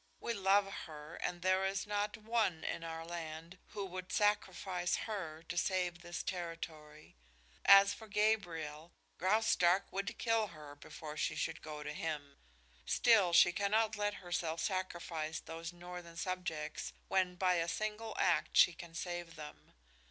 We love her, and there is not one in our land who would sacrifice her to save this territory. As for Gabriel, Graustark would kill her before she should go to him. Still she cannot let herself sacrifice those northern subjects when by a single act she can save them.